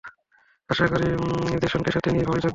আশা করি, জ্যাসনকে সাথে নিয়ে ভালোই থাকবেন।